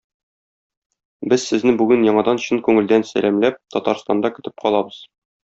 Без сезне бүген яңадан чын күңелдән сәламләп, Татарстанда көтеп калабыз.